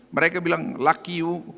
mereka bilang lucky you